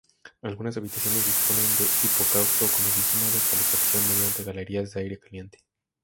Algunas habitaciones disponen de hipocausto como sistema de calefacción mediante galerías de aire caliente.